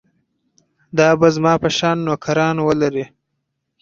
دا به زما په شان نوکران ولري.